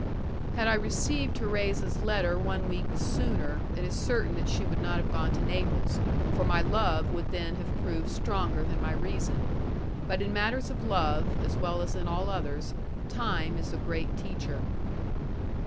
Had I received Thérèse's letter one week sooner, it is certain that she would not have gone to Naples, for my love would then have proved stronger than my reason; but in matters of love, as well as in all others, Time is a great teacher.